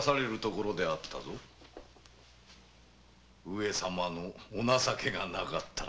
上様のお情けがなかったらな。